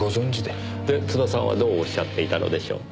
で津田さんはどうおっしゃっていたのでしょう？